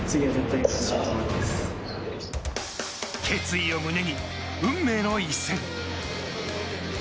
決意を胸に運命の一戦。